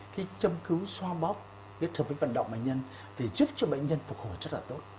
cái châm cứu xoa bóp kết hợp với vận động bệnh nhân thì giúp cho bệnh nhân phục hồi rất là tốt